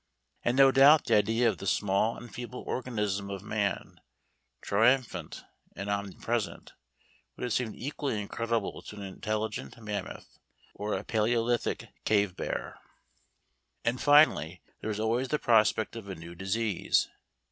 And no doubt the idea of the small and feeble organism of man, triumphant and omnipresent, would have seemed equally incredible to an intelligent mammoth or a palæolithic cave bear. And, finally, there is always the prospect of a new disease.